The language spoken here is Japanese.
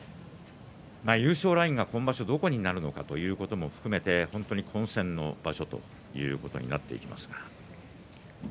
優勝ラインが今場所はどこになるのかということも含め混戦の場所ということになります。